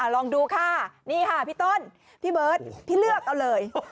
ลองดูค่ะนี่ค่ะพี่ต้นพี่เบิร์ตพี่เลือกเอาเลย